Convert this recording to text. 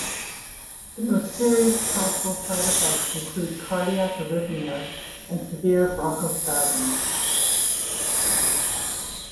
The most serious possible side effects include cardiac arrhythmias and severe bronchospasms.